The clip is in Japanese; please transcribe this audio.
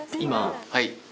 はい。